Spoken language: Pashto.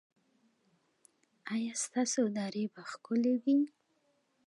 ایا ستاسو درې به ښکلې وي؟